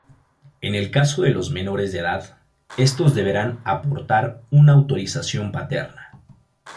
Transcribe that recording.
En el caso de los menores de edad, estos deberán aportar una autorización paterna.